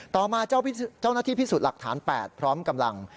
ต่อมาเจ้าหน้าที่พิสูจน์หลักฐาน๘พร้อมกำลัง